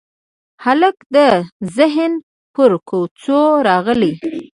هلک د ذهن پر کوڅو راغلی